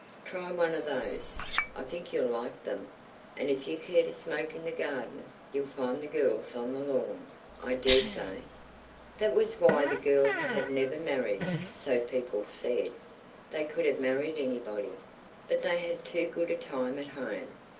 "Try one of those; I think you'll like them. And if you care to smoke in the garden, you'll find the girls on the lawn, I dare say." That was why the girls had never married, so people said. They could have married anybody. But they had too good a time at home.